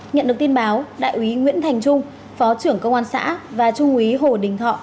nhận được tin báo đại úy nguyễn thành trung phó trưởng công an xã và trung úy hồ đình thọ